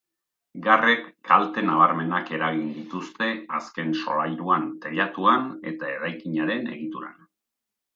Garrek kalte nabarmenak eragin dituzte azken solairuan, teilatuan eta eraikinaren egituran.